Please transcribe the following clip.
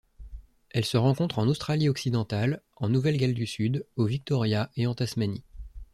Elle se rencontre en Australie-Occidentale, en Nouvelle-Galles du Sud, au Victoria et en Tasmanie.